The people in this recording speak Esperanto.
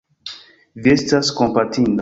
Vi estas kompatinda.